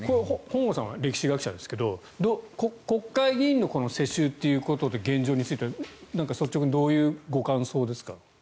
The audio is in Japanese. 本郷さんは歴史学者ですが国会議員の世襲ということと現状については率直にどういうご感想ですか？